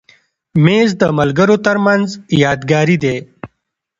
مېز د ملګرو تر منځ یادګاري دی.